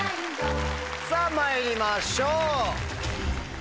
さぁまいりましょう。